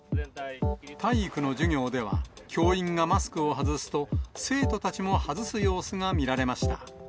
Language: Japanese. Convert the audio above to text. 体育の授業では、教員がマスクを外すと、生徒たちも外す様子が見られました。